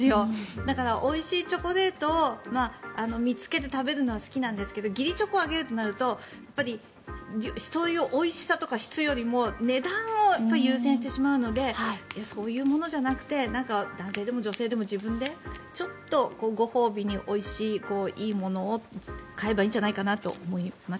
だからおいしいチョコレートを見つけて食べるのは好きですが義理チョコを上げるとなるとやっぱりそういうおいしさとか質よりも値段を優先してしまうのでそういうものじゃなくて男性でも女性でも自分でちょっとご褒美においしい、いいものを買えばいいんじゃないかなと思います。